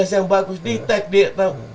yang bagus di tag dia